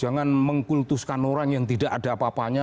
jangan mengkultuskan orang yang tidak ada apa apanya